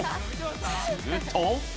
すると。